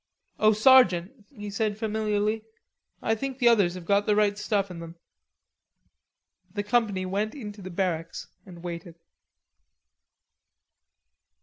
"Oh, sergeant," he said familiarly; "I think the others have got the right stuff in them." The company went into the barracks and waited.